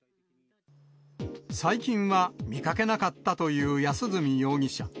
最近は見かけなかったという安栖容疑者。